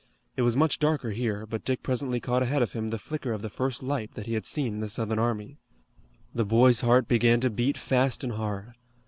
It was much darker here, but Dick presently caught ahead of him the flicker of the first light that he had seen in the Southern army. The boy's heart began to beat fast and hard.